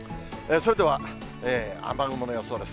それでは雨雲の予想です。